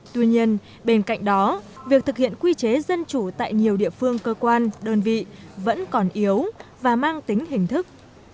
tuy nhiên bên cạnh đó việc thực hiện quy chế dân chủ tại nhiều địa phương cơ quan đơn vị vẫn còn yếu và mang tính hình thức